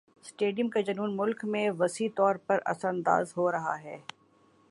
stadium کا جنون مُلک میں وسیع طور پر اثرانداز ہو رہا ہے